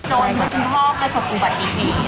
จนคุณพ่อเคยสกุปติภีร์